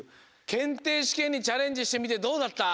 けんていしけんにチャレンジしてみてどうだった？